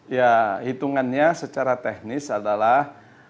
ya hitungannya secara teknis adalah